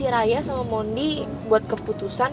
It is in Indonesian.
raya sama mondi buat keputusan